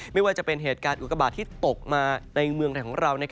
ไม่ว่าจะเป็นเหตุการณ์อุกบาทที่ตกมาในเมืองไทยของเรา